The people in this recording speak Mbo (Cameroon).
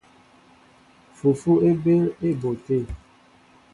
Fufu é ɓéél á éɓóʼ te.